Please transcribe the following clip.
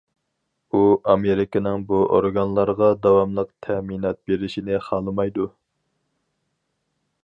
ئۇ ئامېرىكىنىڭ بۇ ئورگانلارغا داۋاملىق تەمىنات بېرىشىنى خالىمايدۇ.